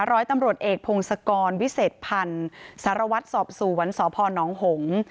ร้อยตำรวจเอกพงศกรวิเศษพันธ์สารวัตรสอบสวนสพนหงษ์